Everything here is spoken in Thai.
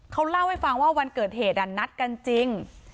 เขาเล่าให้ฟังว่าวันเกิดเหตุนัดกันจริง